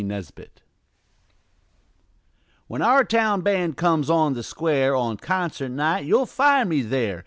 NESBIT When our town band gets on the square On concert night you'll find me there.